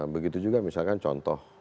begitu juga misalkan contoh